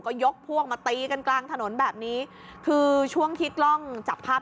ก็ยกพวกมาตีกันกลางถนนแบบนี้คือช่วงที่กล้องจับภาพ